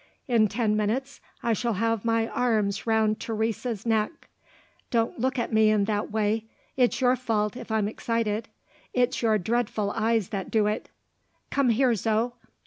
In ten minutes, I shall have my arms round Teresa's neck. Don't look at me in that way! It's your fault if I'm excited. It's your dreadful eyes that do it. Come here, Zo!